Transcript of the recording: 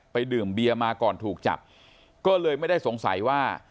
ดื่มเบียมาก่อนถูกจับก็เลยไม่ได้สงสัยว่า